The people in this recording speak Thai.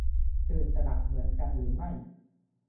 ตื่นตระหนกเหมือนกันหรือไม่